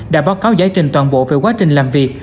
đã báo cáo giải trình toàn bộ về quá trình làm việc